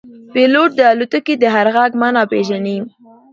پیلوټ د الوتکې د هر غږ معنا پېژني.